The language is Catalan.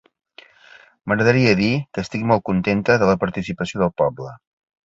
M'agradaria dir que estic molt contenta de la participació del poble.